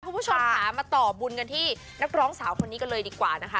คุณผู้ชมค่ะมาต่อบุญกันที่นักร้องสาวคนนี้กันเลยดีกว่านะคะ